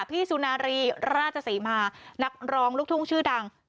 สุนารีราชศรีมานักร้องลูกทุ่งชื่อดัง